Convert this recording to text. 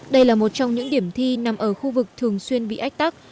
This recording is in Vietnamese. đây là một trong những điểm thi nằm ở khu vực thường xuyên bị ách tắc